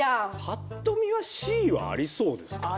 パっと見はＣはありそうですけどね。